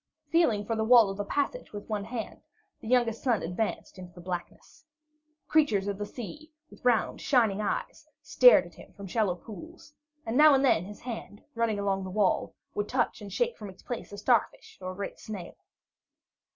Feeling for the wall of the passage with one hand, the youngest son advanced into the blackness. Creatures of the sea, with round shining eyes, stared at him from shallow pools, and now and then his hand, running along the wall, would touch and shake from its place a starfish or great snail.